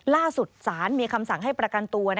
ล่าสุดศาลมีคำสั่งให้ประกันตัว